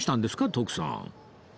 徳さん